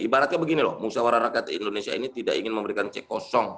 ibaratnya begini loh musyawarah rakyat indonesia ini tidak ingin memberikan cek kosong